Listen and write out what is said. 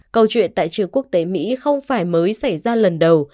câu chuyện tại trường quốc tế mỹ không phải mới xảy ra lần đầu